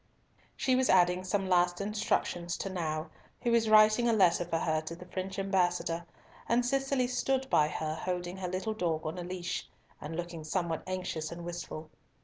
She was adding some last instructions to Nau, who was writing a letter for her to the French ambassador, and Cicely stood by her, holding her little dog in a leash, and looking somewhat anxious and wistful.